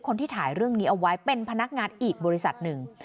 คนที่ถ่ายเรื่องนี้เอาไว้เป็นพนักงานอีกบริษัทหนึ่ง